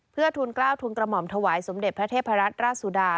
เพื่อทุนกล้าวทุนกระหม่อมถวายสมเด็จพระเทพรัตนราชสุดา